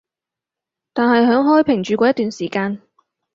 但係響開平住過一段時間